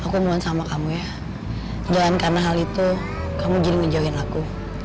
aku mohon sama kamu ya dan karena hal itu kamu jadi ngejauhin aku